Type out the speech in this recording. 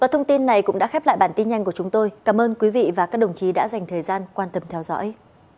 thông tin này cũng đã khép lại bản tin nhanh của chúng tôi cảm ơn quý vị và các đồng chí đã dành thời gian quan tâm theo dõi